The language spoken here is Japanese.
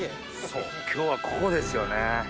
そう今日はここですよね。